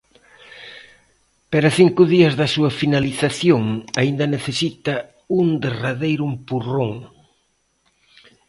Pero a cinco días da súa finalización aínda necesita un derradeiro empurrón.